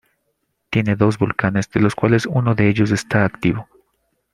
Tiene dos volcanes de los cuales uno de ellos está activo